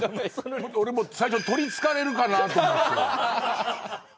俺も最初「とりつかれる」かなと思って。